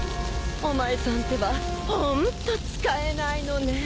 お前さんってばホント使えないのねぇ。